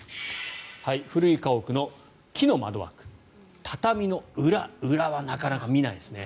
古い家屋の木の窓枠畳の裏裏はなかなか見ないですね。